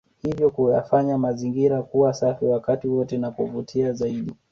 Hivyo kuyafanya mazingira kuwa safi wakati wote na kuvutia zaidi